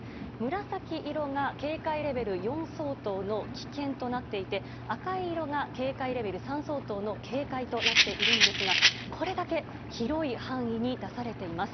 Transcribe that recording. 紫色が警戒レベル４相当の危険となっていて赤色が警戒レベル３相当の警戒となっているんですがこれだけ広い範囲に出されています。